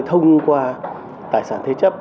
thông qua tài sản thế chấp